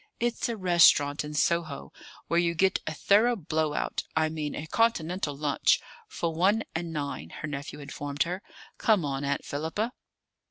"It's a restaurant in Soho, where you get a thorough blow out I mean a Continental lunch for one and nine," her nephew informed her. "Come on, Aunt Philippa!"